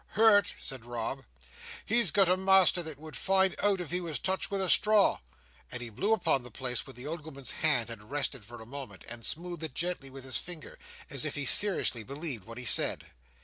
"Hurt?" said Rob. "He's got a master that would find it out if he was touched with a straw." And he blew upon the place where the old woman's hand had rested for a moment, and smoothed it gently with his finger, as if he seriously believed what he said.